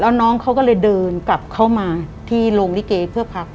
แล้วน้องเขาก็เลยเดินกลับเข้ามาที่โรงลิเกเพื่อพัก